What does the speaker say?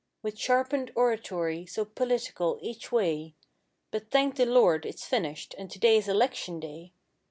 With sharpened oratory, so political each way; But thank the Lord it's finished and today's election day!